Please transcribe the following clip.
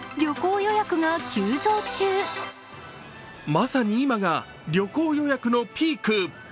まさに今が旅行予約のピーク。